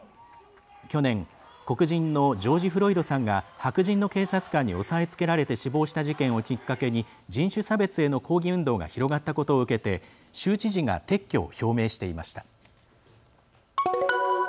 去年、黒人のジョージ・フロイドさんが白人の警察官に押さえつけられて死亡した事件をきっかけに人種差別への抗議運動が広がったことを受けて州知事が撤去を表明していました。